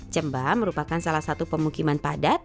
cemba merupakan salah satu pemegang masyarakat di desa cemba